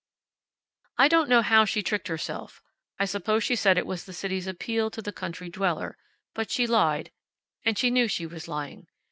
I don't know how she tricked herself. I suppose she said it was the city's appeal to the country dweller, but she lied, and she knew she was lying.